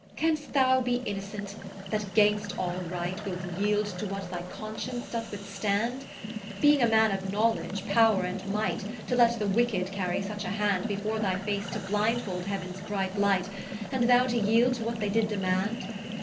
Canst thou be innocent, that gainst all right, Wilt yeeld to what thy conscience doth withstand? Beeing a man of knowledge, powre, and might, To let the wicked carrie such a hand, Before thy face to blindfold Heau'ns bright light, And thou to yeeld to what they did demand?